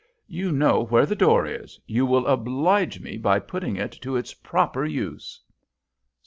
You know where the door is you will oblige me by putting it to its proper use."